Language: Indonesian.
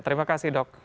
terima kasih dok